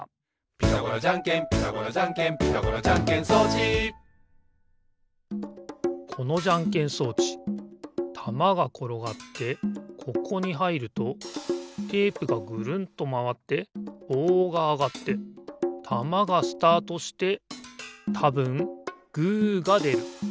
「ピタゴラじゃんけんピタゴラじゃんけん」「ピタゴラじゃんけん装置」このじゃんけん装置たまがころがってここにはいるとテープがぐるんとまわってぼうがあがってたまがスタートしてたぶんグーがでる。